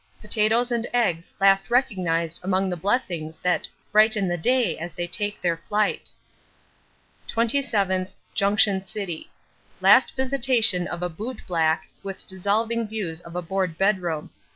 Potatoes and eggs last recognized among the blessings that 'brighten as they take their flight.' 27th, Junction City. Last visitation of a boot black, with dissolving views of a board bedroom.